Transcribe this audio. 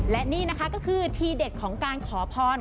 และนี่นะคะก็คือทีเด็ดของการขอพร